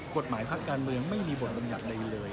กฎหมายพักการเมืองไม่มีบทบัญญัติใดเลย